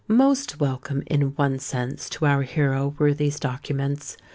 Most welcome, in one sense, to our hero were these documents.